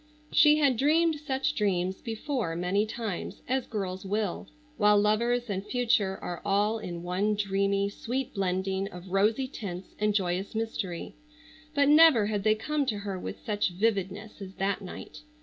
She had dreamed such dreams before many times, as girls will, while lovers and future are all in one dreamy, sweet blending of rosy tints and joyous mystery, but never had they come to her with such vividness as that night.